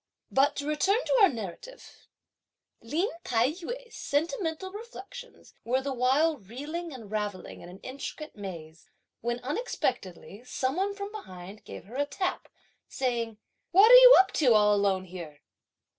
But to return to our narrative. Lin Tai yü's sentimental reflections were the while reeling and ravelling in an intricate maze, when unexpectedly some one from behind gave her a tap, saying: "What are you up to all alone here?"